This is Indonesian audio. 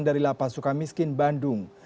dari lapas suka miskin bandung